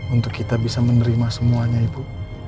untuk kita bisa menerima semuanya ibu